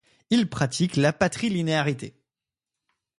Ils pratiquent la patrilinéarité.